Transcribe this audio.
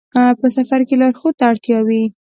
په سفر کې لارښود ته اړتیا وي.